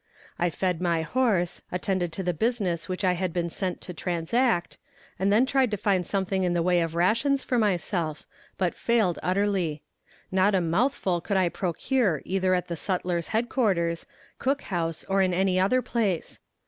I fed my horse, attended to the business which I had been sent to transact, and then tried to find something in the way of rations for myself, but failed utterly. Not a mouthful could I procure either at the sutler's headquarters, cook house, or in any other place.